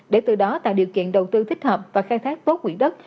để từ đó tạo điều kiện đầu tư thích hợp và khai thác tốt quỹ đất